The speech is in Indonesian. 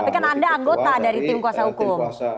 tapi kan anda anggota dari tim kuasa hukum